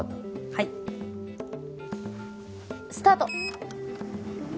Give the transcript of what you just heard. はいスタート